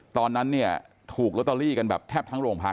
ตอนนั้นถูกโลเตอรี่กันแทบทั้งโรงพรรค